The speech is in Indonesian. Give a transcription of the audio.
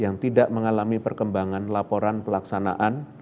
yang tidak mengalami perkembangan laporan pelaksanaan